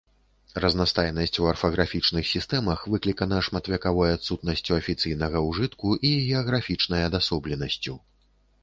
Разнастайнасць у арфаграфічных сістэмах выклікана шматвяковай адсутнасцю афіцыйнага ўжытку і геаграфічнай адасобленасцю.